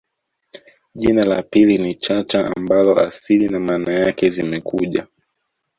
jina la pili ni Chacha ambalo asili na maana yake ni zimekuja